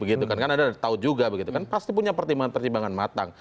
karena anda tahu juga pasti punya pertimbangan matang